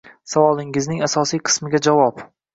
Savolingizning asosiy qismiga javob.